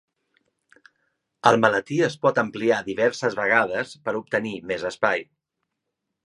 El maletí es pot ampliar diverses vegades per obtenir més espai.